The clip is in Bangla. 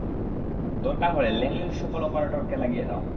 দরকার হলে ল্যাংলির সকল অপারেটরকে লাগিয়ে দাও।